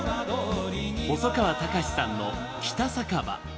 細川たかしさんの「北酒場」。